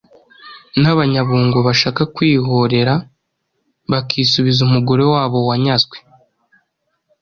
Nabanyabungo, bashaka kwihorera bakisubiza umugore wabo wanyazwe.